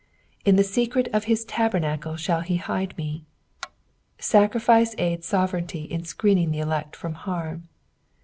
"Ia the leerel of hi* tabentade Khali he hide me." Ssfriflce aids sovereignty in screening the elect from harm.